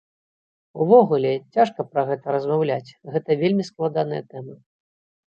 Увогуле, цяжка пра гэта размаўляць, гэта вельмі складаная тэма.